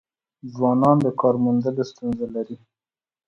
ځوانان د کار موندلو ستونزه لري.